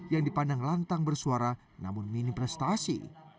yang dipandang lantang bersuara namun minim prestasi